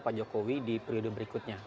pak jokowi di periode berikutnya